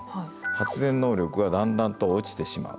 発電能力がだんだんと落ちてしまう。